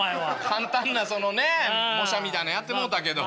簡単なそのね模写みたいなのやってもうたけど。